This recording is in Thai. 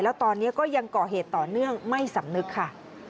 แล้วตอนนี้ก็ยังก่อเหตุต่อเนื่องไม่สำนึกค่ะ